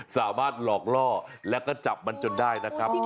สามารถหลอกล่อและก็จับมันจนได้